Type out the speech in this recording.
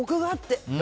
コクがあって。